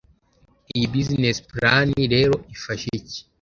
Iyi Business plan rero ifasha iki